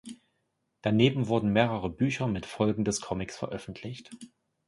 Daneben wurden mehrere Bücher mit Folgen des Comics veröffentlicht.